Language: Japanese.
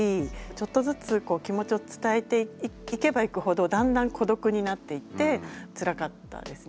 ちょっとずつこう気持ちを伝えていけばいくほどだんだん孤独になっていってつらかったです。